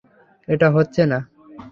এটা হচ্ছে না।